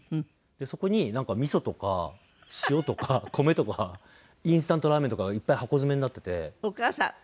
そこになんかみそとか塩とか米とかインスタントラーメンとかがいっぱい箱詰めになってて。